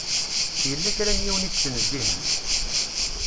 Yella kra n yiwen i yettnezzihen.